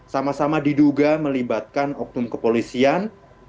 sama sama diduga melibatkan oknum kepolisian